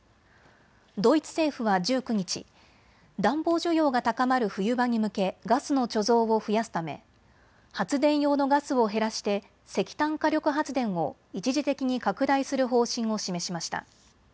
ドイツ政府は１９日、暖房需要が高まる冬場に向けガスの貯蔵を増やすため発電用のガスを減らして石炭火力発電を一時的に拡大する方針を示しました。